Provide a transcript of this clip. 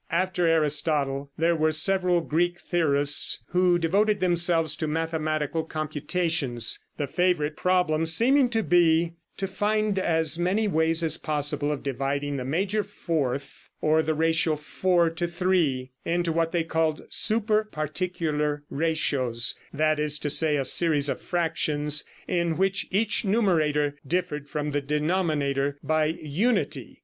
After Aristotle, there were several Greek theorists who devoted themselves to mathematical computations, the favorite problem seeming to be to find as many ways as possible of dividing the major fourth, or the ratio 4:3, into what they called super particular ratios that is to say, a series of fractions in which each numerator differed from the denominator by unity.